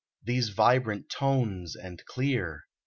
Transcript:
These vibrant tones and clear